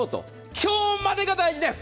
今日までが大事です！